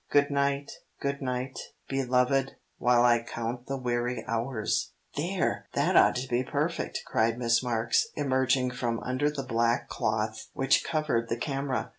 Good night, good night, beloved, While I count the weary hours." "There! That ought to be perfect," cried Miss Marks, emerging from under the black cloth which covered the camera.